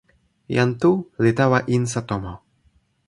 jan Tu li tawa insa tomo.